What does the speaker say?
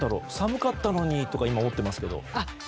寒かったのにとか今、思ってますけど。